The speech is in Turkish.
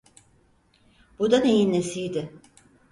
Bu da neyin nesiydi?